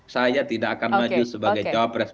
saya tidak akan maju sebagai cowok pres